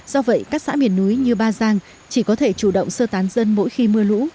do vậy các xã miền núi như ba giang chỉ có thể chủ động sơ tán dân mỗi khi mưa lũ